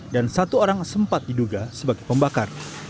dan satu orang sempat diduga sebagai pembakar